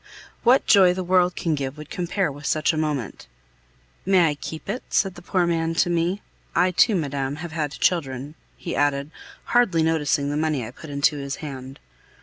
What joy the world can give would compare with such a moment? "May I keep it?" said the poor man to me. "I too, madame, have had children," he added, hardly noticing the money I put into his hand.